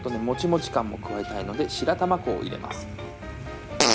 もちもち感も加えたいので白玉粉を入れます。